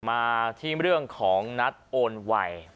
มาที่เรื่องของนัดโอนไว